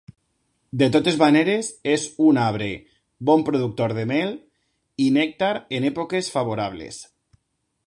De totes maneres és un arbre bon productor de mel i nèctar en èpoques favorables.